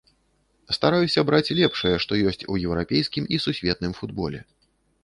Стараюся браць лепшае, што ёсць у еўрапейскім і сусветным футболе.